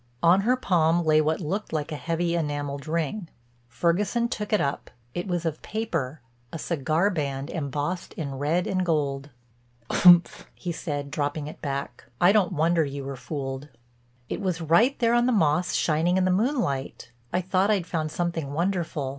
On her palm lay what looked like a heavy enameled ring. Ferguson took it up; it was of paper, a cigar band embossed in red and gold. "Umph," he said, dropping it back, "I don't wonder you were fooled." "It was right there on the moss shining in the moonlight. I thought I'd found something wonderful."